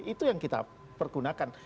itu yang kita pergunakan